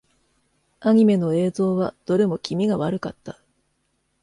アニメの映像はどれも気味が悪かった。